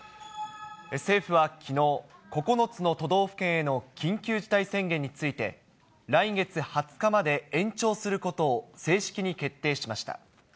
政府はきのう、９つの都道府県への緊急事態宣言について、来月２０日まで延長することを正式に決定しました。